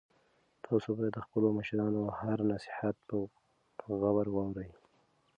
تاسو باید د خپلو مشرانو هر نصیحت په غور واورئ.